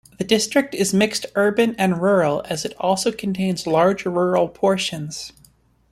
The district is mixed urban and rural as it also contains large rural portions.